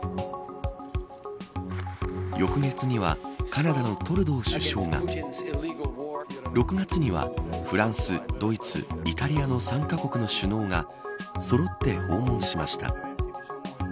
翌月にはカナダのトルドー首相が６月にはフランス、ドイツイタリアの３カ国の首脳がそろって訪問しました。